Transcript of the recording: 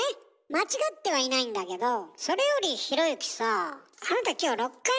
間違ってはいないんだけどそれよりひろゆきさぁあなた